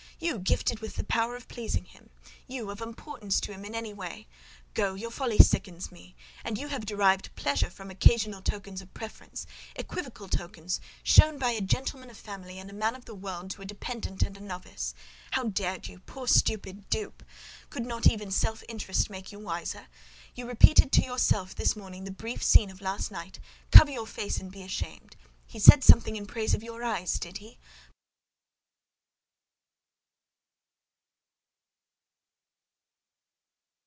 You gifted with the power of pleasing him? You of importance to him in any way? Go! your folly sickens me. And you have derived pleasure from occasional tokens of preference—equivocal tokens shown by a gentleman of family and a man of the world to a dependent and a novice. How dared you? Poor stupid dupe!—Could not even self interest make you wiser? You repeated to yourself this morning the brief scene of last night?—Cover your face and be ashamed! He said something in praise of your eyes, did he?